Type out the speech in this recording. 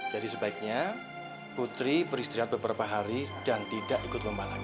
jadi sebaiknya putri beristirahat beberapa hari dan tidak ikut lomba lagi